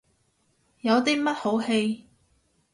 有啲乜好戯？